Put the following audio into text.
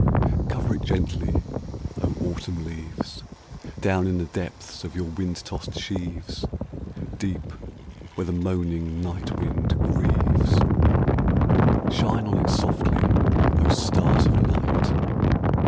Cover it gently, O autumn leaves, Down in the depths of your wind tossed sheaves Deep, where the moaning night wind grieves. 46 A SUMMER MEMORY. Shine on it softly, O stars of night